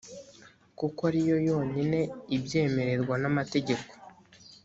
kuko ariyo yonyine ibyemererwa n amategeko